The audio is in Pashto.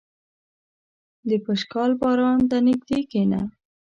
• د پشکال باران ته نږدې کښېنه.